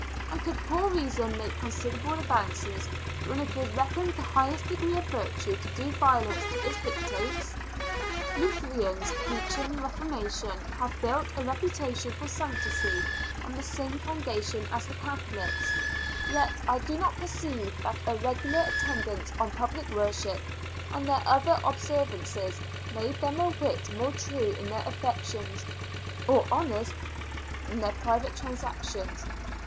And could poor reason make considerable advances when it was reckoned the highest degree of virtue to do violence to its dictates? Lutherans, preaching reformation, have built a reputation for sanctity on the same foundation as the Catholics; yet I do not perceive that a regular attendance on public worship, and their other observances, make them a whit more true in their affections, or honest in their private transactions.